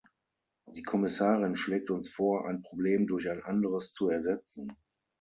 Die Kommissarin schlägt uns vor, ein Problem durch ein anderes zu ersetzen.